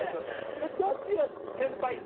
えっどっちが先輩。